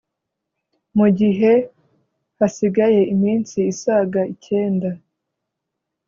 Mu gihe hasigaye iminsi isaga icyenda